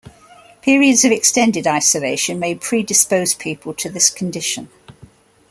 Periods of extended isolation may predispose people to this condition.